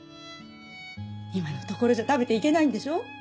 今の所じゃ食べていけないんでしょ？